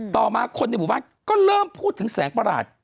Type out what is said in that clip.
ต่อมาคนในหมู่บ้านก็เริ่มพูดถึงแสงประหลาด